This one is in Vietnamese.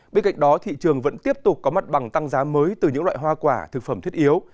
bên cạnh đó thị trường vẫn tiếp tục có mặt bằng tăng giá mới từ những loại hoa quả thực phẩm thiết yếu